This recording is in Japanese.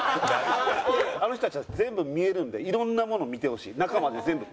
あの人たちは全部見えるんでいろんなもの見てほしい中まで全部。